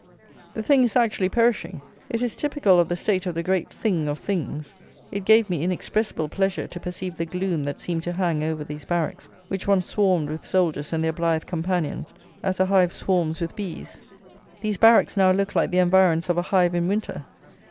The thing is actually perishing. It is typical of the state of the great Thing of things. It gave me inexpressible pleasure to perceive the gloom that seemed to hang over these barracks, which once swarmed with soldiers and their blithe companions, as a hive swarms with bees. These barracks now look like the environs of a hive in winter.